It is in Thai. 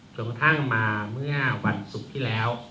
กระทั่งมาเมื่อวันศุกร์ที่แล้ว